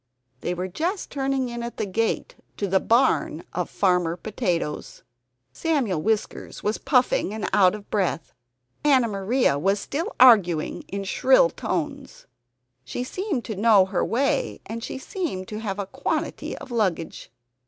They were just turning in at the gate to the barn of Farmer Potatoes. Samuel Whiskers was puffing and out of breath. Anna Maria was still arguing in shrill tones. She seemed to know her way, and she seemed to have a quantity of luggage.